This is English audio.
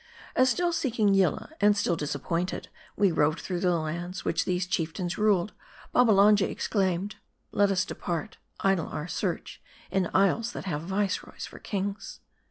As still seeking Yillah, and still disappointed, we roved 292 M A R D I. through the lands which these chieftains ruled, Babbalanja exclaimed "Let, us depart; idle our search, in isles that have viceroys for kings."